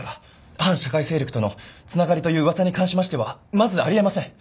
反社会勢力とのつながりという噂に関しましてはまずあり得ません。